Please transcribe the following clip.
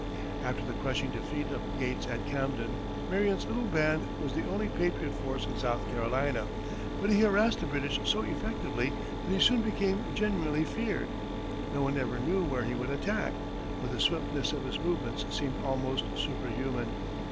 After the crushing defeat of Gates at Camden Marion's little band was the only patriot force in South Carolina, but he harassed the British so effectively that he soon became genuinely feared. No one ever knew where he would attack, for the swiftness of his movements seemed almost superhuman.